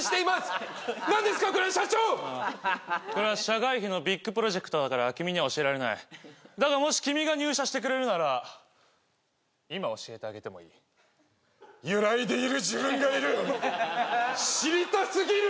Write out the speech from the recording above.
これは社外秘のビッグプロジェクトだから君には教えられないだがもし君が入社してくれるなら今教えてあげてもいい揺らいでいる自分がいるよ知りたすぎる！